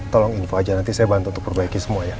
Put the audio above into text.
tolong info aja nanti saya bantu untuk perbaiki semuanya